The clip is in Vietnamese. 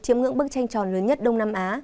chiếm ngưỡng bức tranh tròn lớn nhất đông nam á